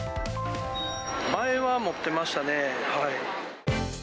前は持ってましたね。